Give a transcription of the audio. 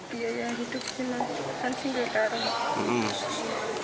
biaya hidupnya kan singgah taruh